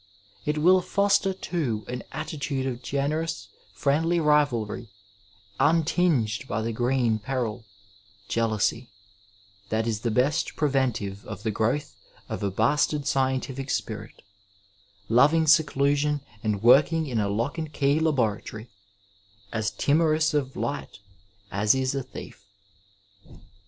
It will foster, too, an attitude of generous, friendly rivalry untinged by the green peril, jealousy, that is the best preventive of the growth of a bastard scientific spirit, loving seclusion and working in a lock and key laboratory, as timorous of light as is a thief.